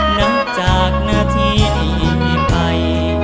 หลังจากหน้าที่ได้ยินให้ไป